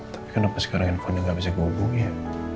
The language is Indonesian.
tapi kenapa sekarang nelfonnya nggak bisa dihubungi ya